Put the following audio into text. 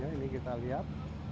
ini kita lihat